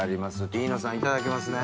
飯野さんいただきますね。